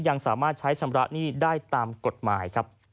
ยังสามารถใช้ชำระหนี้ได้ตามกฎหมายครับ